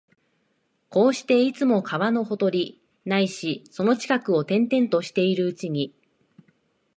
こうして、いつも川のほとり、ないしはその近くを転々としているうちに、